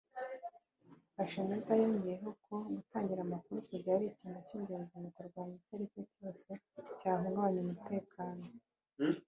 Kashemeza yongeyeho ko gutangira amakuru ku gihe ari ikintu cy’ingenzi mu kurwanya icyo aricyo cyose cyahungabanya umutekano